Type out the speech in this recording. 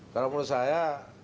kalau menurut saya